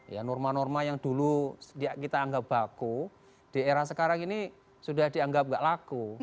ya norma norma yang dulu kita anggap baku di era sekarang ini sudah dianggap nggak laku